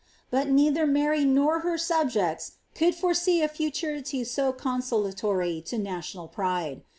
But neither Mary nor her subjects could foresee a futurity so consolatory to national pride.